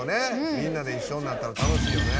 みんなで一緒にやったら楽しいよね。